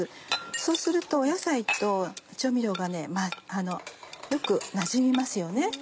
そうすると野菜と調味料がよくなじみます。